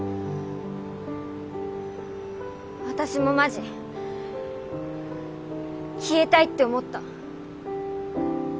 私もマジ消えたいって思った。